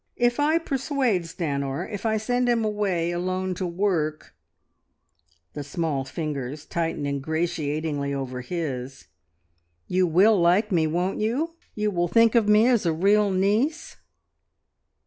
If I persuade Stanor if I send him away alone to work," the small fingers tightened ingratiatingly over his, "you will like me, won't you? You will think of me as a real niece?"